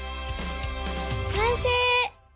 かんせい！